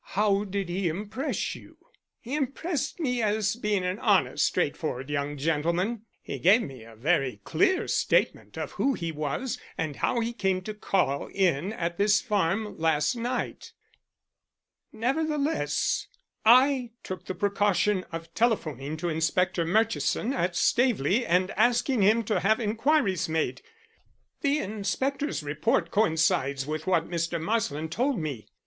How did he impress you?" "He impressed me as being an honest straightforward young gentleman. He gave me a very clear statement of who he was and how he came to call in at this farm last night. Nevertheless, I took the precaution of telephoning to Inspector Murchison at Staveley and asking him to have inquiries made. The inspector's report coincides with what Mr. Marsland told me.